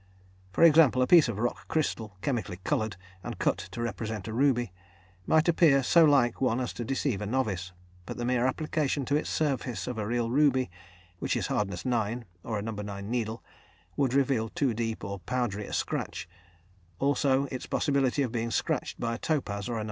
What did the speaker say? For example a piece of rock crystal, chemically coloured, and cut to represent a ruby, might appear so like one as to deceive a novice, but the mere application to its surface of a real ruby, which is hardness 9, or a No. 9 needle, would reveal too deep or powdery a scratch; also its possibility of being scratched by a topaz or a No.